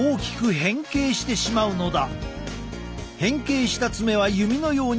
変形した爪は弓のように力を蓄える。